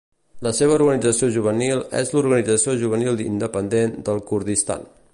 La seva organització juvenil és l'Organització Juvenil Independent del Kurdistan.